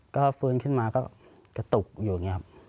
ก็ฟื้นขึ้นมาก็กระตุกอยู่อย่างนี้ครับ